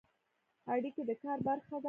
اړیکې د کار برخه ده